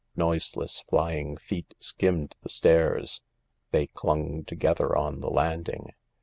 Noiseless flying feet skimmed the stairs; they clung together on the landing.